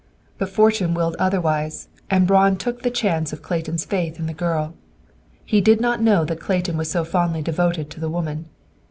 "But fortune willed otherwise, and Braun took the chance of Clayton's faith in the girl. He did not know that Clayton was so fondly devoted to the woman.